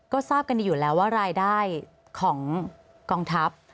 ก็ทราบกันดีอยู่แล้วว่ารายได้ของกองทัพ